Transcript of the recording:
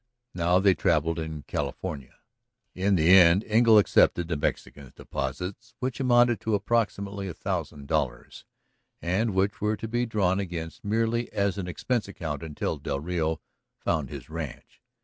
Now they travelled in California. In the end Engle accepted the Mexican's deposits, which amounted to approximately a thousand dollars, and which were to be drawn against merely as an expense account until del Rio found his ranch.